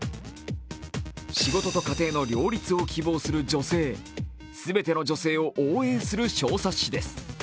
仕事と家庭の両立を希望する女性全ての女性を応援する小冊子です。